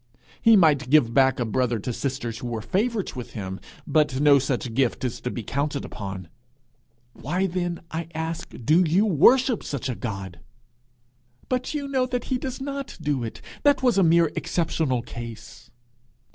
He might give back a brother to sisters who were favourites with him, but no such gift is to be counted upon? Why then, I ask, do you worship such a God?' 'But you know he does not do it! That was a mere exceptional case.'